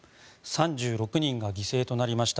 ３６人が犠牲となりました